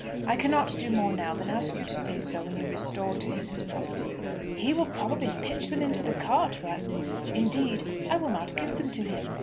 I cannot do more now than ask you to say so when you restore to him his property." "He will probably pitch them into the cart ruts. Indeed, I will not give them to him.